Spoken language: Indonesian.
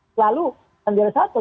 selalu akan di reshuffle